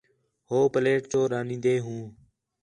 ہو پلیٹ چور آنین٘دے ہوں